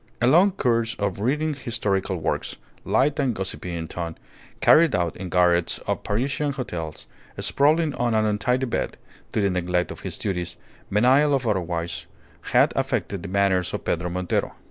A long course of reading historical works, light and gossipy in tone, carried out in garrets of Parisian hotels, sprawling on an untidy bed, to the neglect of his duties, menial or otherwise, had affected the manners of Pedro Montero.